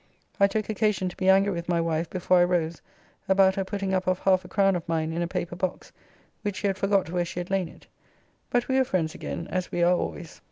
I took occasion to be angry with my wife before I rose about her putting up of half a crown of mine in a paper box, which she had forgot where she had lain it. But we were friends again as we are always.